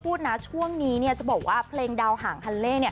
พูดนะช่วงนี้เนี่ยจะบอกว่าเพลงดาวหางฮันเล่เนี่ย